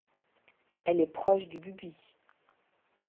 Elle est proche du bubi.